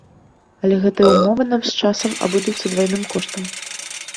Але гэтыя ўмовы нам з часам абыдуцца двайны коштам.